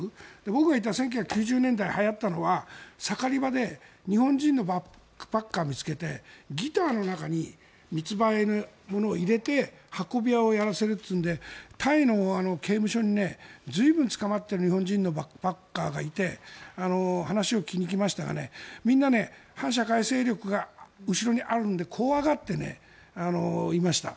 僕が行っていた１９９０年代にはやっていたのは盛り場で、日本人のバックパッカーを見つけてギターの中に密売のものを入れて運び屋をやらせるというのでタイの刑務所にずいぶん捕まっている日本人のバックパッカーがいて話を聞きに行きましたがみんな反社会勢力があるので怖がっていました。